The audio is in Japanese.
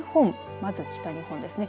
まず北日本ですね。